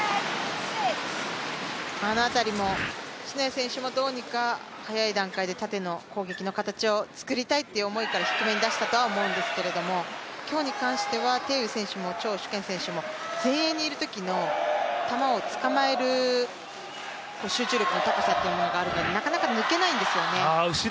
あの辺りも篠谷選手もどうにか速い段階で縦の攻撃の形をつくりたいという思いから低めに出したとは思うんですけど、今日に関しては鄭雨選手も張殊賢選手も前衛にいるときの球をつかまえる集中力の高さがあるのでなかなか抜けないんですよね。